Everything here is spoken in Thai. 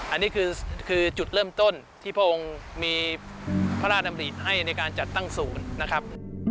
อันนี้คือจุดเริ่มต้นที่พระองค์มีพระราชดำริให้ในการจัดตั้งศูนย์นะครับ